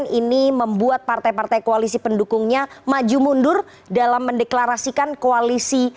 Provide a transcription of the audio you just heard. dan ini membuat partai partai koalisi pendukungnya maju mundur dalam mendeklarasikan koalisi